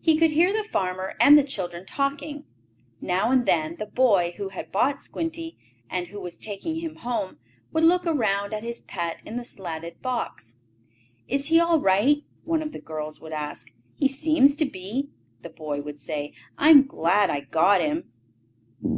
He could hear the farmer and the children talking. Now and then the boy who had bought Squinty, and who was taking him home, would look around at his pet in the slatted box. "Is he all right?" one of the girls would ask. "He seems to be," the boy would say. "I am glad I got him."